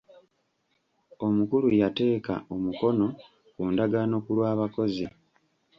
Omukulu yateeka omukono ku ndagaano ku lw'abakozi.